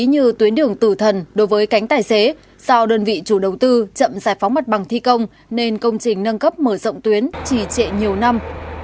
như tuyến đường tử thần đối với cánh tài xế do đơn vị chủ đầu tư chậm giải phóng mặt bằng thi công nên công trình nâng cấp mở rộng tuyến chỉ trệ nhiều năm